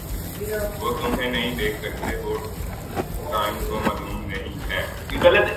وہ تمہیں نہیں دیکھ سکتے ہیں وہ ٹام کو معلوم نہیں ہے